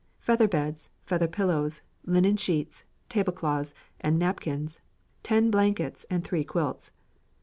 Feather beds, feather pillows, linen sheets, tablecloths, and napkins, ten blankets, and three quilts.